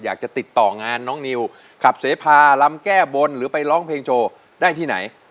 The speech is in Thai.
อยากจะติดต่องานน้องนิวขับเสพาลำแก้บนหรือไปร้องเพลงโชว์ได้ที่ไหน